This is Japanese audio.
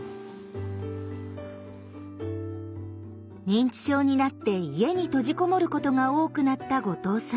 認知症になって家に閉じ籠もることが多くなった後藤さん。